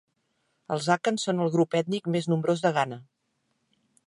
Els àkans són el grup ètnic més nombrós de Ghana.